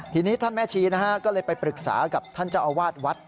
ทีนี้ท่านแม่ชีนะฮะก็เลยไปปรึกษากับท่านเจ้าอาวาสวัด